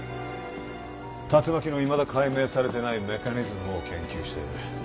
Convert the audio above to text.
竜巻のいまだ解明されてないメカニズムを研究している。